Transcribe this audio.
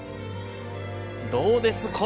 どうです？